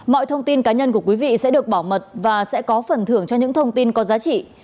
mọi thông tin cá nhân của quý vị sẽ được bảo mật và sẽ có phần thưởng cho những thông tin có giá trị